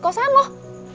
ini kan udah malem